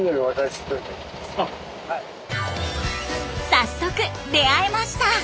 早速出会えました！